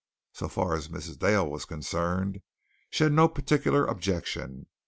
So far as Mrs. Dale was concerned, she had no particular objection.